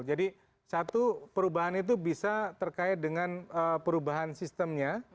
jadi satu perubahan itu bisa terkait dengan perubahan sistemnya